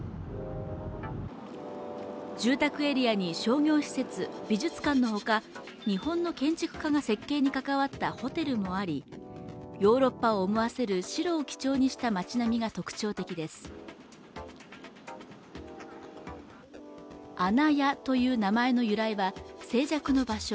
住宅エリアに商業施設美術館のほか日本の建築家が設計に関わったホテルもありヨーロッパを思わせる白を基調にした街並みが特徴的ですあなやという名前の由来は静寂の場所